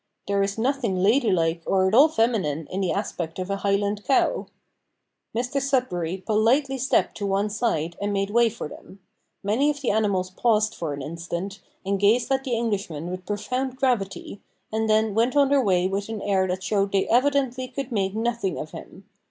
There is nothing ladylike or at all feminine in the aspect of a Highland cow! Mr Sudberry politely stepped to one side, and made way for them. Many of the animals paused for an instant, and gazed at the Englishman with profound gravity, and then went on their way with an air that showed they evidently could make nothing of him.